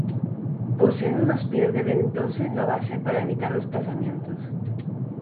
Poseen unos pies de ventosa en la base para evitar desplazamientos.